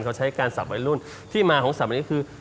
เขาใช้การสับวัยรุ่นที่มาของสับอันนี้คือ